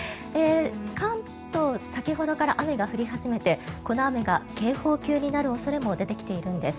関東先ほどから雨が降り始めてこの雨が警報級になる恐れも出てきているんです。